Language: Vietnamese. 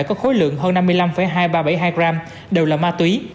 có khối lượng hơn năm mươi năm hai nghìn ba trăm bảy mươi hai gram đều là ma túy